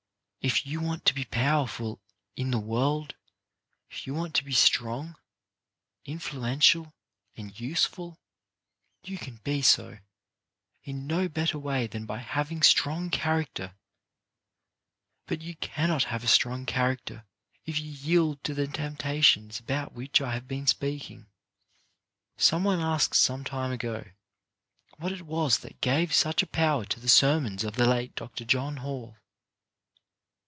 If you want to be power ful in the world, if you want to be strong, influen tial and useful, you can be so in no better way than by having strong character ; but you cannot have a strong character if you yield to the temp tations about which I have been speaking. Some one asked, some time ago, what it was 92 CHARACTER BUILDING that gave such a power to the sermons of the late Dr. John Hall.